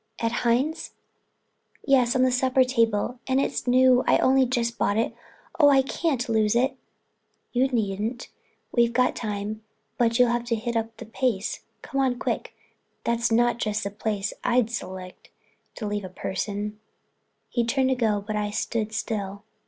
"At Hines'?" "Yes, on the supper table. And it's new, I'd only just bought it. Oh, I can't lose it." "You needn't. We've time, but you'll have to hit up the pace. Come on quick—that's not just the place I'd select to leave a purse in." He turned to go but I stood still.